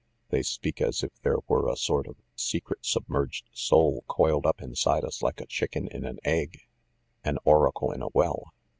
They speak as if there were a sort of secret submerged soul coiled up inside us like a chicken in an egg. An oracle in a well